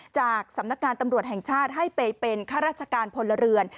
จากสำนักงานตำรวจแห่งชาติให้ไปเป็นข้าราชการพลเรือน